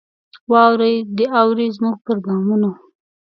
واوري دي اوري زموږ پر بامونو